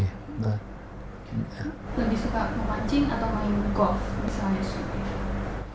lebih suka memancing atau main golf misalnya